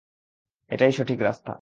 এটাই সঠিক রাস্তা।